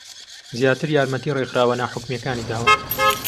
زیاتر یارمەتی ڕێکخراوە ناحوکمییەکانی داوە